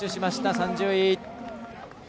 ３０位。